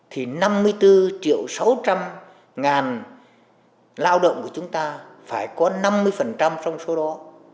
thì năm mươi bốn triệu sáu trăm linh ngàn lao động của chúng ta phải có năm mươi trong số đó